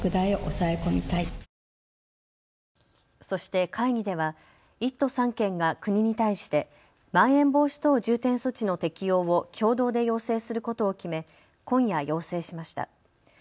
そして会議では１都３県が国に対してまん延防止等重点措置の適用を共同で要請することを決め今夜要請しました。